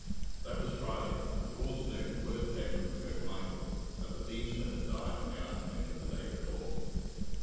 That was Friday, and towards noon word came from Kirk Michael that the Deemster had died on the afternoon of the day before.